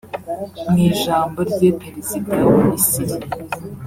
Mu ijambo rye Perezida wa Misiri